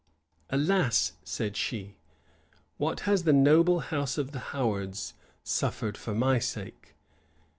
"Alas," said she, "what has the noble house of the Howards suffered for my sake!"